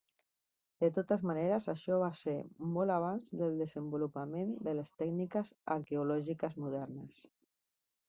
De totes maneres, això va ser molt abans del desenvolupament de les tècniques arqueològiques modernes.